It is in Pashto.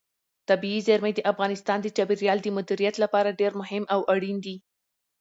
طبیعي زیرمې د افغانستان د چاپیریال د مدیریت لپاره ډېر مهم او اړین دي.